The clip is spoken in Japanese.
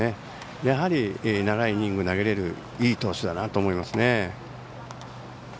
やはり長いイニング投げれるいい投手だなと思います。